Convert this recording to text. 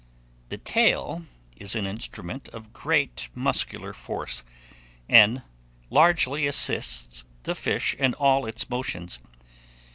The tail is an instrument of great muscular force, and largely assists the fish in all its motions.